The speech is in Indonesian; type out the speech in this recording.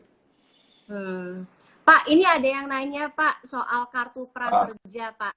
hmm pak ini ada yang nanya pak soal kartu prakerja pak